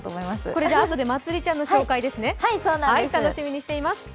これはあとでまつりちゃんの紹介ですね、楽しみにしています